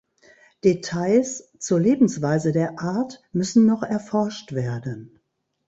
Details zur Lebensweise der Art müssen noch erforscht werden.